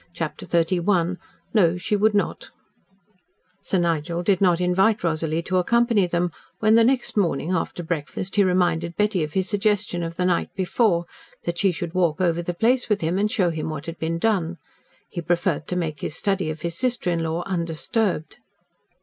CHAPTER XXXI NO, SHE WOULD NOT Sir Nigel did not invite Rosalie to accompany them, when the next morning, after breakfast, he reminded Betty of his suggestion of the night before, that she should walk over the place with him, and show him what had been done. He preferred to make his study of his sister in law undisturbed.